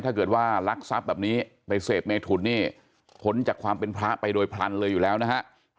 ถ้าเกิดว่ารักทรัพย์แบบนี้ไปเสพเมถุนนี่พ้นจากความเป็นพระไปโดยพลันเลยอยู่แล้วนะฮะ